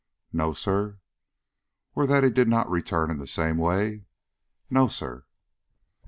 "No, sir." "Or that he did not return in the same way?" "No, sir."